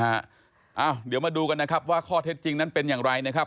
เดี๋ยวมาดูกันนะครับว่าข้อเท็จจริงนั้นเป็นอย่างไรนะครับ